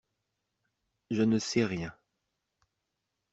Je ne sais rien.